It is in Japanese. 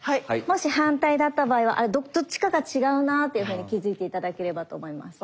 もし反対だった場合はあれどっちかが違うなというふうに気付いて頂ければと思います。